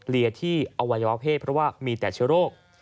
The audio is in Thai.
เรียดที่อวัยวะเพศเพราะว่ามีแต่โลก